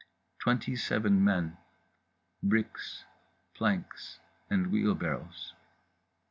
Twenty seven men, bricks, planks and wheelbarrows.